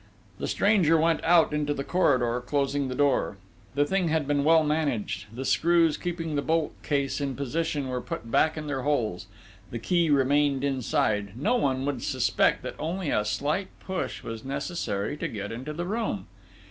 The stranger went out into the corridor closing the door. The thing had been well managed; the screws keeping the bolt case in position were put back in their holes the key remained inside no one would suspect that only a slight push was necessary to get into the room.